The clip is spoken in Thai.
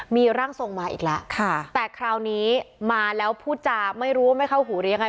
มีร่างทรงมาอีกแล้วค่ะแต่คราวนี้มาแล้วพูดจาไม่รู้ว่าไม่เข้าหูหรือยังไง